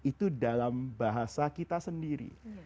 itu dalam bahasa kita sendiri